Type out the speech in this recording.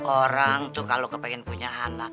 orang tuh kalau kepengen punya anak